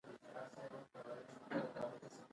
ځکه هېڅوک د ځان پر وړاندې تبعیض نه مني.